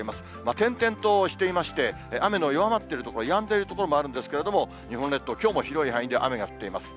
点々としていまして、雨の弱まっている所、やんでいる所もあるんですけれども、日本列島、きょうも広い範囲で雨が降っています。